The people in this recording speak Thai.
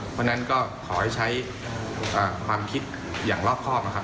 เพราะฉะนั้นก็ขอให้ใช้ความคิดอย่างรอบครอบนะครับ